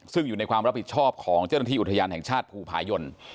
ซึ่งอยู่ในความรับผิดชอบของเจ้าหน้าที่อุทยานแห่งชาติภูผายน